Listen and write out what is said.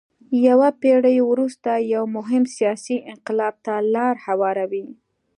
یوه پېړۍ وروسته یو مهم سیاسي انقلاب ته لار هواروي.